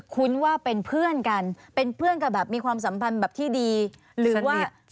ุ้นว่าเป็นเพื่อนกันเป็นเพื่อนกันแบบมีความสัมพันธ์แบบที่ดีหรือว่า